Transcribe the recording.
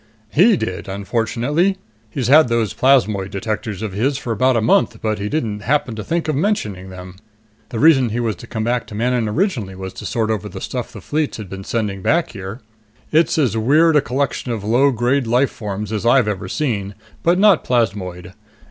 "He did, unfortunately. He's had those plasmoid detectors of his for about a month, but he didn't happen to think of mentioning them. The reason he was to come back to Manon originally was to sort over the stuff the Fleets have been sending back here. It's as weird a collection of low grade life forms as I've ever seen, but not plasmoid.